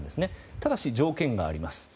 ただし条件があります。